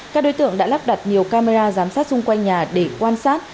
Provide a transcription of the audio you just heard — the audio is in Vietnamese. các đối tượng đã lắp đặt nhiều camera giám sát xung quanh nhà để quan sát